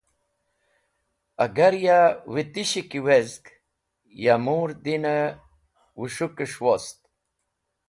Agar ya witish ki wezg, ya mur din-e wũs̃hũkes̃h wost.